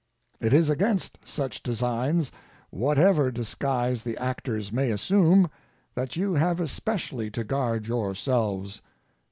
It is against such designs, whatever disguise the actors may assume, that you have especially to guard yourselves.